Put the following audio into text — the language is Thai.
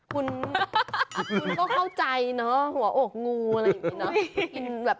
คุณก็เข้าใจเนอะหัวอกงูอะไรอย่างนี้เนอะ